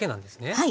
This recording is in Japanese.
はい。